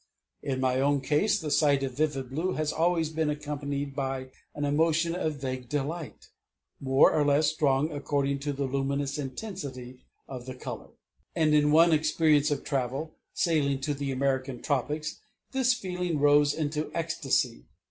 In my own case the sight of vivid blue has always been accompanied by an emotion of vague delight more or less strong according to the luminous intensity of the color. And in one experience of travel, sailing to the American tropics, this feeling rose into ecstasy.